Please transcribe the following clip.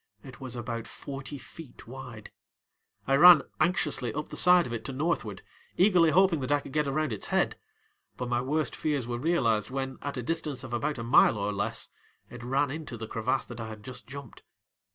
It was about forty feet wide. I ran anxiously up the side of it to northward, eagerly hoping that I could get around its head, but my worst fears were realized when at a distance of about a mile or less it ran into the crevasse that I had just jumped.